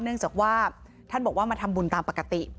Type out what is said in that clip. เนื่องจากว่าท่านบอกว่ามาทำบุญตามปกติ